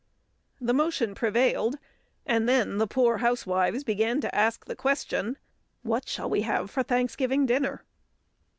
The motion prevailed; and then the poor housewives began to ask the question, "What shall we have for Thanksgiving dinner?"